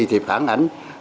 thì phản ảnh